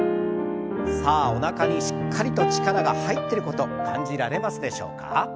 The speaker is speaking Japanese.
さあおなかにしっかりと力が入ってること感じられますでしょうか。